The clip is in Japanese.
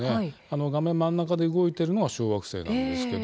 画面真ん中で動いているのが小惑星です。